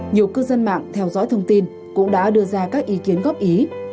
nhiều cư dân mạng theo dõi thông tin cũng đã đưa ra các ý kiến góp ý